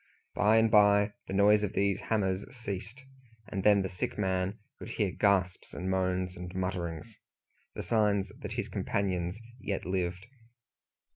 By and by the noise of these hammers ceased, and then the sick man could hear gasps, and moans, and mutterings the signs that his companions yet lived.